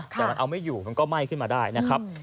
แต่มันเอาไม่อยู่มันก็ไหม้ขึ้นมาได้นะครับ